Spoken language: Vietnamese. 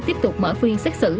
tiếp tục mở phiên xét xử